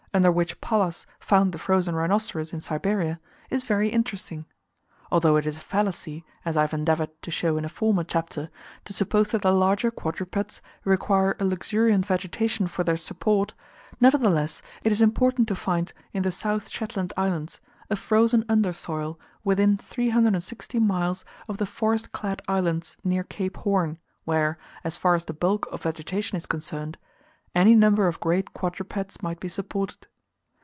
under which Pallas found the frozen rhinoceros in Siberia, is very interesting. Although it is a fallacy, as I have endeavoured to show in a former chapter, to suppose that the larger quadrupeds require a luxuriant vegetation for their support, nevertheless it is important to find in the South Shetland Islands a frozen under soil within 360 miles of the forest clad islands near Cape Horn, where, as far as the bulk of vegetation is concerned, any number of great quadrupeds might be supported.